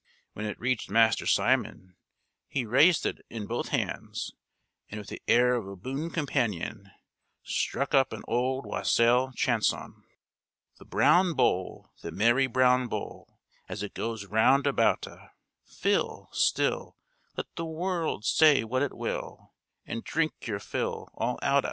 When it reached Master Simon he raised it in both hands, and with the air of a boon companion struck up an old Wassail chanson: The browne bowle, The merry browne bowle, As it goes round about a, Fill Still, Let the world say what it will, And drink your fill all out a.